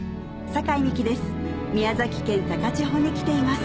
酒井美紀です